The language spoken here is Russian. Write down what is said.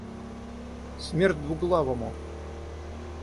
Смерть двуглавому!